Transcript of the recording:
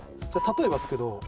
例えばですけど。